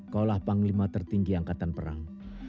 kaulah panglima tertinggi angkatan perang